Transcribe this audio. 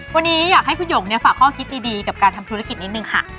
วันนี้อยากให้คุณหยงฝากข้อคิดดีกับการทำธุรกิจนิดนึงค่ะ